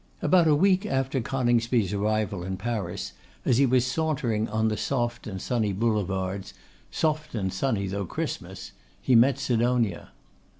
About a week after Coningsby's arrival in Paris, as he was sauntering on the soft and sunny Boulevards, soft and sunny though Christmas, he met Sidonia.